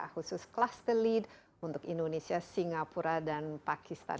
khusus cluster lead untuk indonesia singapura dan pakistan